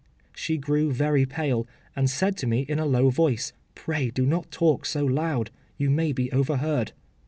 ” She grew very pale, and said to me in a low voice, “Pray do not talk so loud; you may be overheard.